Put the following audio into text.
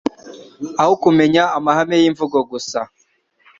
aho kumenya amahame y'imvugo gusa.